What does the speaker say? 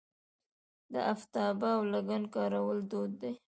د افتابه او لګن کارول دود دی.